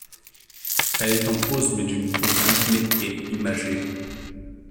Elle est en prose, mais d'une prose rythmée et imagée.